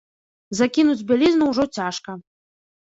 Закінуць бялізну ўжо цяжка.